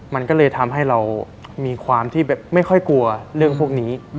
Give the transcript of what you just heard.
มันก็เลยทำให้เรามีความที่แบบไม่ค่อยกลัวเรื่องพวกนี้